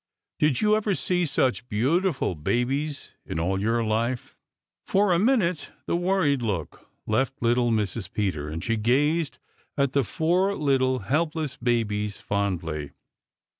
Did you ever see such beautiful babies in all your life?" For a minute the worried look left little Mrs. Peter, and she gazed at the four little helpless babies fondly.